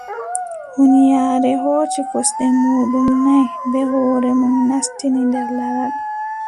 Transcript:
Huunyaare hooci kosɗe muuɗum nay, bee hoore mum naastini nder laral.